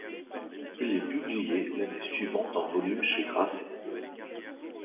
Il est publié l'année suivante en volume chez Grasset.